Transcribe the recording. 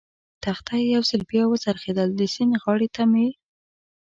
تخته یو ځل بیا و څرخېدل، د سیند غاړې ته مې.